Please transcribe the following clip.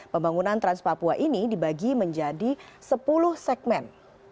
pembangunan trans papua ini dibagi menjadi sepuluh segmen